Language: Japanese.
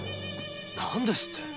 何ですって？！